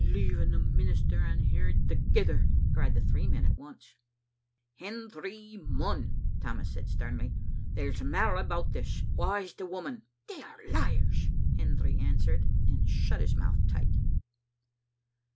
"Leaving the minister and her thegither!" cried the three men at once. "Hendry Munn," Tammas said sternly, "there's mair about this; wha is the woman?" "They are liars," Hendry answered, and shut his mouth tight.